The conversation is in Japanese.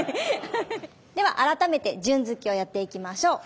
では改めて順突きをやっていきましょう。